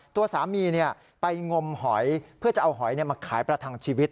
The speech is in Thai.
ตัวสามีไปงมหอยเพื่อจะเอาหอยมาขายประทังชีวิต